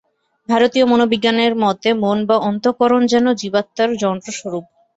ভারতীয় মনোবিজ্ঞানের মতে মন বা অন্তঃকরণ যেন জীবাত্মার যন্ত্রস্বরূপ।